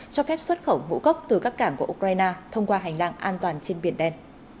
cho phép xuất khẩu ngũ cốc từ các cảng của ukraine thông qua hành lang an toàn trên biển đen